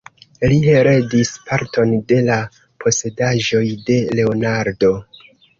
Li heredis parton de la posedaĵoj de Leonardo.